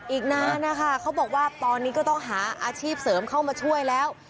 อีกนานนะคะเขาบอกว่าตอนนี้ก็ต้องหาอาชีพเสริมเข้ามาช่วยแล้ว